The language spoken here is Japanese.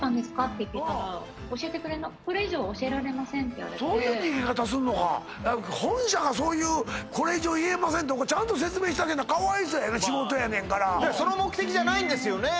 って聞いたら教えてくれないこれ以上教えられませんっていわれてそういう逃げ方すんのか本社がそういうこれ以上いえませんとかちゃんと説明してあげなかわいそうやな仕事やねんからその目的じゃないんですよね？